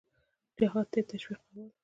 جهاد ته یې تشویقول.